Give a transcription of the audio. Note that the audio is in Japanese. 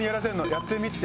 「やってみて」